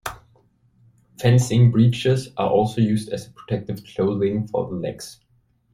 Fencing breeches are also used as a protective clothing for the legs.